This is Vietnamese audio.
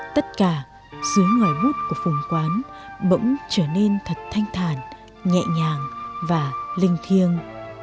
tất cả dưới ngoài bút của phùng quán bỗng trở nên thật thanh thản nhẹ nhàng và linh thiêng